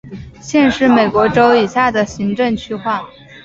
县是美国州以下的行政区划。